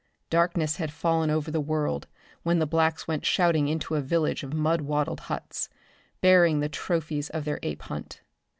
Darkness had fallen over the world when the blacks went shouting into a village of mud wattled huts, bearing the trophies of their ape hunt.